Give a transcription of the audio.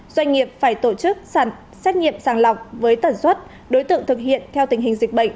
doanh nghiệp phải tổ chức xét nghiệm sàng lọc với tần suất đối tượng thực hiện theo tình hình dịch bệnh